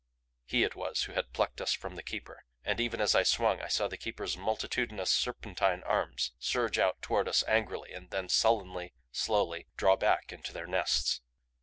He it was who had plucked us from the Keeper and even as I swung I saw the Keeper's multitudinous, serpentine arms surge out toward us angrily and then sullenly, slowly, draw back into their nests.